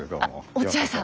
落合さん。